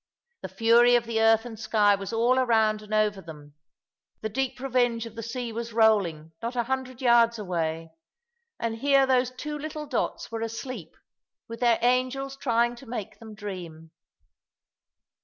The fury of the earth and sky was all around and over them; the deep revenge of the sea was rolling, not a hundred yards away; and here those two little dots were asleep, with their angels trying to make them dream.